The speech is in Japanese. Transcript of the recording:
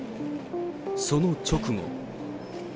その直後。